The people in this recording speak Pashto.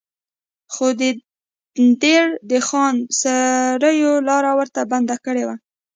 خو د دیر د خان سړیو لاره ورته بنده کړې وه.